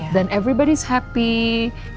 dan semua orang bahagia